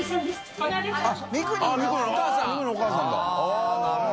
あぁなるほど。